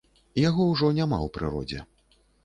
Яго ўжо няма ў прыродзе.